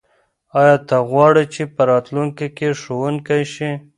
آیا ته غواړې چې په راتلونکي کې ښوونکی شې؟